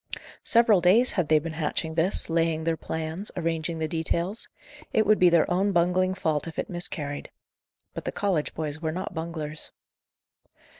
Several days had they been hatching this, laying their plans, arranging the details; it would be their own bungling fault if it miscarried. But the college boys were not bunglers.